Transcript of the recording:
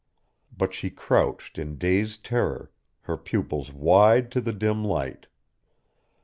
But she crouched in dazed terror, her pupils wide to the dim light.